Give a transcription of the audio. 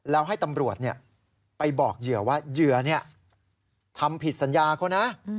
แล้วให้ตำรวจไปบอกเหยื่อว่าเหยื่อทำผิดสัญญาเขานะ